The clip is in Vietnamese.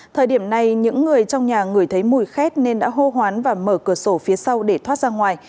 thời điểm này những người trong nhà người thấy mùi khét nên đã hô hoán và mở cửa sổ phía sau để thoát ra ngoài